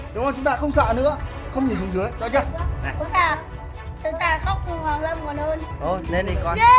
cầm xuôi cầm xuôi